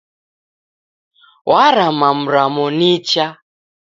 Warama mramo nicha.